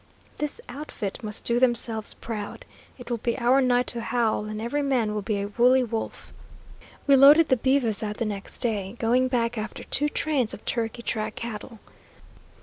This outfit must do themselves proud. It will be our night to howl, and every man will be a wooly wolf." We loaded the beeves out the next day, going back after two trains of "Turkey Track" cattle.